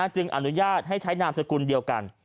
จึงอนุญาตให้ใช้นามสกุลเดียวกัน